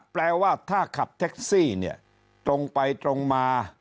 แปลว่าถ้าขับท็กซี่ตรงไปตรงมา